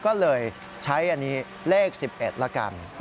ก็เลยใช้อันนี้เลข๑๑ละกัน